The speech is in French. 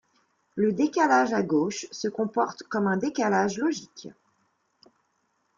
Le décalage à gauche se comporte comme un décalage logique.